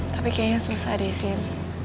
tapi kayaknya susah deh sin